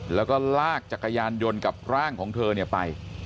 แล้วก็ลากจักรยานยนต์กับร่างของเธอไป